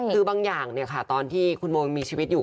คือบางอย่างเนี่ยค่ะตอนที่คุณโมมีชีวิตอยู่